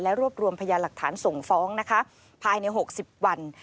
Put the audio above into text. รวบรวมพยานหลักฐานส่งฟ้องนะคะภายใน๖๐วัน